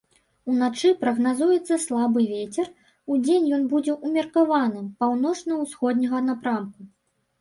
Уначы прагназуецца слабы вецер, удзень ён будзе ўмеркаваным, паўночна-ўсходняга напрамку.